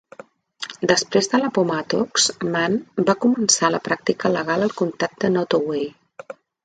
Després d'Appomattox, Mann va començar la pràctica legal al comtat de Nottoway.